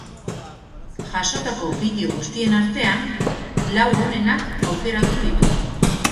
Jasotako bideo guztien artean, lau onenak aukeratu ditugu.